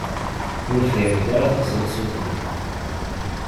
Ur fhiment ara taseḍsut-nni.